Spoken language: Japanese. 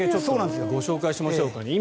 ご紹介しましょうか。